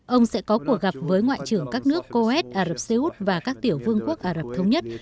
ông sẽ có cuộc gặp với ngoại trưởng các nước coes ả rập xê út và các tiểu vương quốc ả rập thống nhất